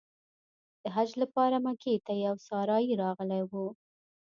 د حج لپاره مکې ته یو سارایي راغلی و.